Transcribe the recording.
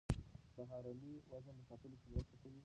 سهارنۍ د وزن ساتلو کې مرسته کوي.